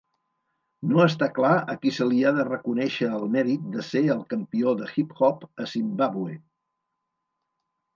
No està clar a qui se li ha de reconèixer el mèrit de ser el campió de hip-hop a Zimbàbue.